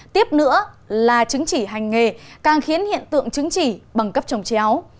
tiếp nữa là chứng chỉ hành nghề càng khiến hiện tượng chứng chỉ bằng cấp trồng chéo